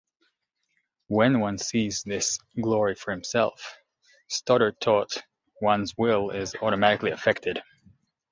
When one sees this glory for himself, Stoddard taught, one's will is automatically affected.